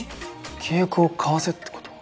契約を交わせって事？